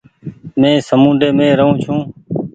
مين سامونڊي مين رهون ڇون ۔